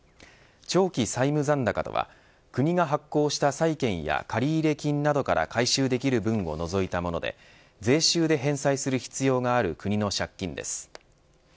長期債務残高とは国が発行した債券や借入金などから回収できる分を除いたもので税収で返済する必要がある国の借金です。